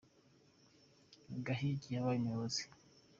Gahigi yabaye umuyobozi.